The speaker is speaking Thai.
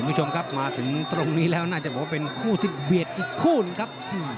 คุณผู้ชมครับมาถึงตรงนี้แล้วน่าจะบอกว่าเป็นคู่ที่เบียดอีกคู่หนึ่งครับ